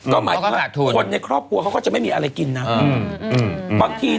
ก็หมายถึงว่าคนในครอบครัวเขาก็จะไม่มีอะไรกินนะ